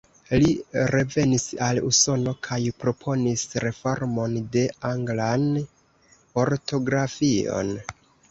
Li revenis al Usono kaj proponis reformon de anglan ortografion.